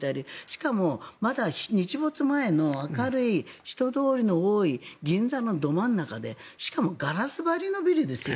しかも、まだ日没前の明るい人通りの多い銀座のど真ん中でしかもガラス張りのビルですよ。